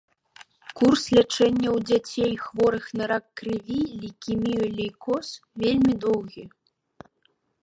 Курс лячэння ў дзяцей, хворых на рак крыві, лейкемію, лейкоз, вельмі доўгі.